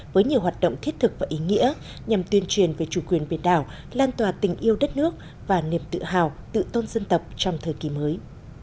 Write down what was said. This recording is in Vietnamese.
với nhiều hoạt động thiết thực và ý nghĩa nhằm tuyên truyền về chủ quyền biển đảo lan tỏa tình yêu đất nước và niềm tự hào tự tôn dân tộc trong thời kỳ mới